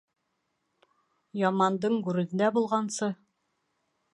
Ямандың гүрендә булғансы